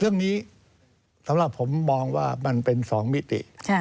เรื่องนี้สำหรับผมมองว่ามันเป็น๒มิติ